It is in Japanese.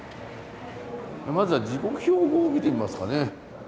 まずは時刻表を見てみますかね。